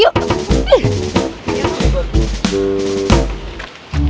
sampai jumpa lagi